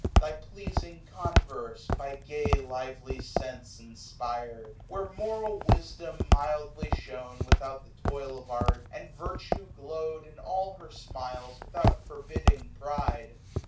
Thy pleasing converse, by gay lively sense Inspired : where moral wisdom mildly shone. Without the toil of art ; and virtue glow'd. In all her smiles, without forbidding pride.